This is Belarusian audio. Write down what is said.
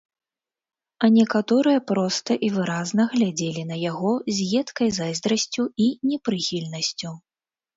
А некаторыя проста і выразна глядзелі на яго з едкай зайздрасцю і непрыхільнасцю.